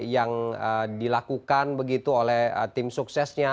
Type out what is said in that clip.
yang dilakukan begitu oleh tim suksesnya